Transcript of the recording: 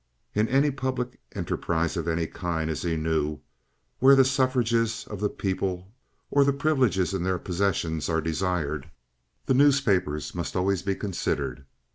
In any public enterprise of any kind, as he knew, where the suffrages of the people or the privileges in their possessions are desired, the newspapers must always be considered.